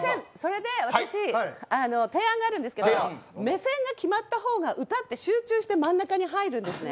提案があるんですけど目線が決まった方が歌って集中して真ん中に入るんですね。